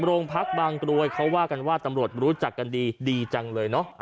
โรงพักบางกรวยเขาว่ากันว่าตำรวจรู้จักกันดีดีจังเลยเนอะ